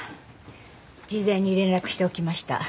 事前に連絡しておきました。